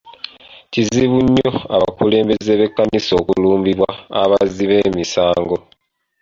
Kizibu nnyo abakulembeze b'ekkanisa okulumbibwa abazzi b'emisango.